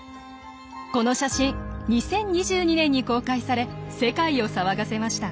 この写真２０２２年に公開され世界を騒がせました。